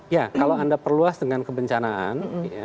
ya kalau anda perluas dengan kebencanaan